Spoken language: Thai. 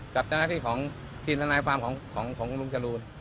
กับเป็นหน้าที่ของทีลทนายความของของของลุงจรูน